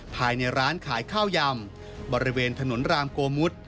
ภายในร้านขายข้าวยำบริเวณถนนรามโกมุท